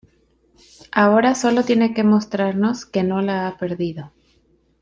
Ahora solo tiene que mostrarnos que no la ha perdido.